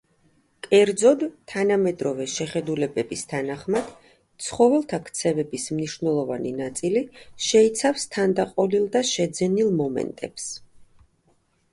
კერძოდ, თანამედროვე შეხედულებების თანახმად, ცხოველთა ქცევების მნიშვნელოვანი ნაწილი შეიცავს თანდაყოლილ და შეძენილ მომენტებს.